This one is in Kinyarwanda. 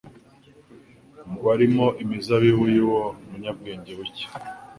warimo imizabibu y’uwo munyabwenge buke